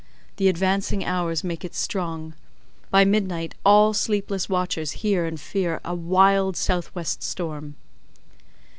The advancing hours make it strong: by midnight, all sleepless watchers hear and fear a wild south west storm.